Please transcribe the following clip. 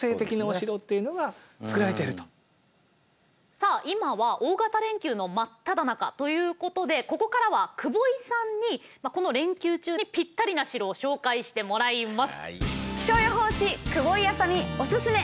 さあ今は大型連休の真っただ中ということでここからは久保井さんにこの連休中にぴったりな城を紹介してもらいます。